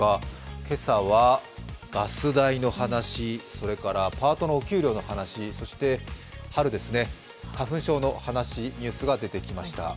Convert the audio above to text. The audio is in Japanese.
今朝はガス代、パートのお給料の話、そして春ですね、花粉症の話、ニュースが出てきました。